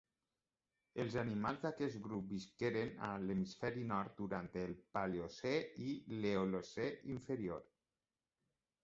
Els animals d'aquest grup visqueren a l'hemisferi nord durant el Paleocè i l'Eocè inferior.